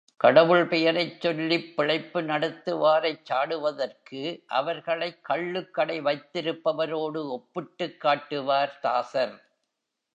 கடவுள் பெயரைச் சொல்லிப் பிழைப்பு நடத்துவாரைச் சாடுவதற்கு அவர்களைக் கள்ளுக்கடை வைத்திருப்பவரோடு ஒப்பிட்டுக் காட்டுவார் தாசர்.